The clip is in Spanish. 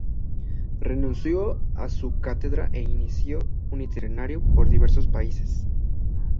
Renunció a su cátedra e inició un itinerario por diversos países.